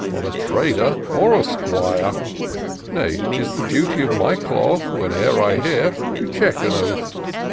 Or on a trader, or a 'squire : Nay, 'tis the duty of my cloth. Whene'er I hear, to check an oath.